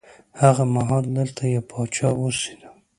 هغه مهال دلته یو پاچا اوسېده.